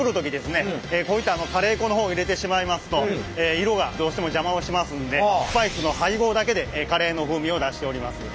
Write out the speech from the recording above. こういったカレー粉の方を入れてしまいますと色がどうしても邪魔をしますんでスパイスの配合だけでカレーの風味を出しております。